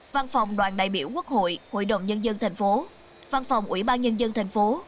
văn phòng đoàn đại biểu quốc hội hội đồng nhân dân tp văn phòng ủy ban nhân dân tp